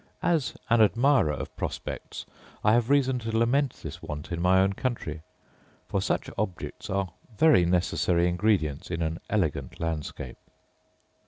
As an admirer of prospects, I have reason to lament this want in my own country; for such objects are very necessary ingredients in an elegant landscape.